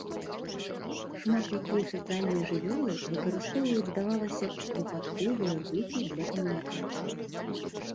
Шмат якія сацыяльныя жывёлы выкарыстоўваюць, здавалася б, выпадковыя гукі для камунікацыі.